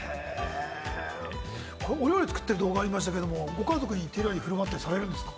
お料理作ってる動画がありましたけれども、ご家族にも振舞ったりされるんですか？